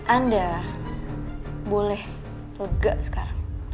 anda boleh lega sekarang